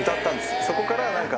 そこから何か。